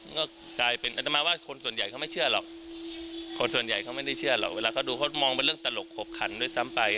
ก็กลายเป็นอัตมาว่าคนส่วนใหญ่เขาไม่เชื่อหรอกคนส่วนใหญ่เขาไม่ได้เชื่อหรอกเวลาเขาดูเขามองเป็นเรื่องตลกขกขันด้วยซ้ำไป